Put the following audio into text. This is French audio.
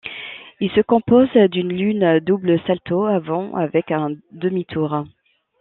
Il se compose d'une lune double salto avant avec un demi-tour.